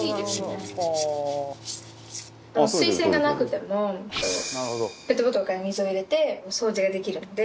水栓がなくてもペットボトルから水を入れて掃除ができるので。